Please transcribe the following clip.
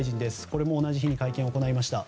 これも同じ日に会見を行いました。